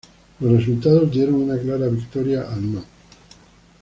Los resultados dieron una clara victoria al "no".